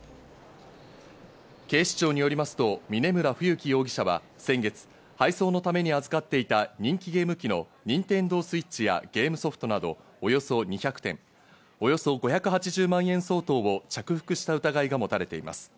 警視庁によりますと峯村冬樹容疑者は先月、配送のために預かっていた人気ゲーム機のＮｉｎｔｅｎｄｏＳｗｉｔｃｈやゲームソフトなどおよそ２００点、およそ５８０万円相当を着服した疑いが持たれています。